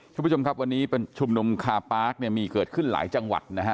คุณผู้ชมครับวันนี้เป็นชุมนุมคาปาร์คเนี่ยมีเกิดขึ้นหลายจังหวัดนะฮะ